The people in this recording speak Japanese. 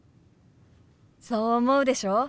そう思うでしょ？